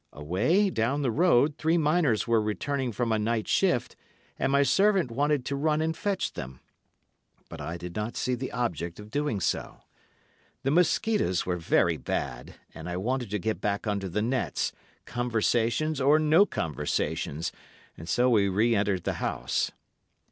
Away, down the road, three miners were returning from a night shift, and my servant wanted to run and fetch them, but I did not see the object of doing so. The mosquitoes were very bad, and I wanted to get back under the nets, conversations or no conversations, and so we re entered the house.